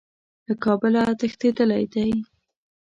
له کابله تښتېدلی دی.